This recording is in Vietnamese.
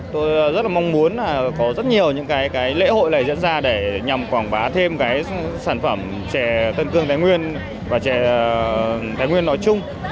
tôi rất là mong muốn là có rất nhiều những cái lễ hội này diễn ra để nhằm quảng bá thêm cái sản phẩm trẻ tân cương thái nguyên và trẻ thái nguyên nói chung